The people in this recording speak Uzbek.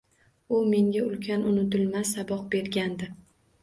U menga ulkan, unutilmas saboq bergandi